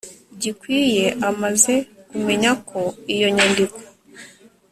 gikwiye amaze kumenya ko iyo nyandiko